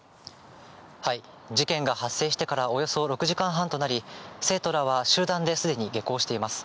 事件が発生してからおよそ６時間半となり、生徒らは集団ですでに下校しています。